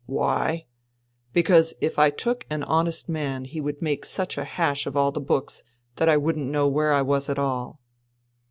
Why ? Because if I took an honest man he would make such a hash of all the books that I wouldn't know where I was at all."